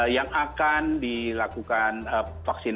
yang akan dianggap sebagai upaya penyempurnaan pelaksanaan